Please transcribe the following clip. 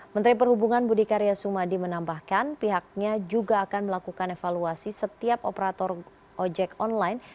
menteri perhubungan budi karya sumadi menambahkan pihaknya juga akan melakukan evaluasi setiap operator ojek online